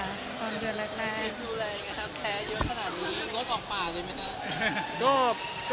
ทำอย่างแข้งอยุ่งขนาดนี้โลสออกป่าาด้วยมั้ย